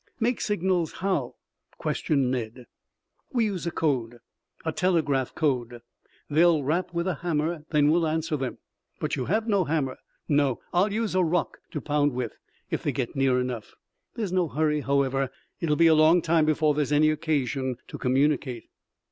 "Make signals how?" questioned Ned. "We use a code, a telegraph code. They will rap with a hammer then we'll answer them." "But you have no hammer " "No, I'll use a rock to pound with if they get near enough. There's no hurry, however. It will be a long time before there's any occasion to communicate."